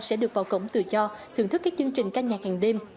sẽ được vào cổng tự do thưởng thức các chương trình ca nhạc hàng đêm